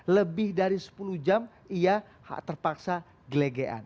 lebih dari sepuluh jam ia terpaksa gelegean